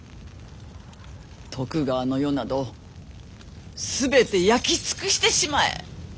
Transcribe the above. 徳川の世などすべて焼き尽くしてしまえ。